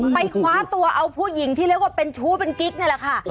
คว้าตัวเอาผู้หญิงที่เรียกว่าเป็นชู้เป็นกิ๊กนี่แหละค่ะ